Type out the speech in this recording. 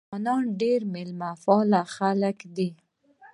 افغانان ډېر میلمه پال خلک دي.